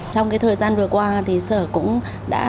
trong thời gian vừa qua sở cũng đã